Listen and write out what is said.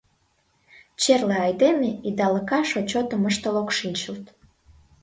Черле айдеме идалыкаш отчётым ыштыл ок шинчылт.